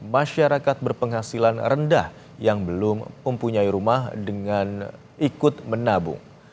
masyarakat berpenghasilan rendah yang belum mempunyai rumah dengan ikut menabung